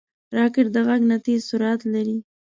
راکټ د غږ نه تېز سرعت لري